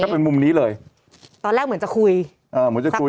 ก็เป็นมุมนี้เลยตอนแรกเหมือนจะคุย